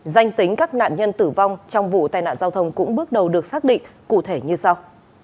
danh tính các nạn nhân tử vong trong vụ tai nạn giao thông cũng bước đầu được xác định cụ thể như sau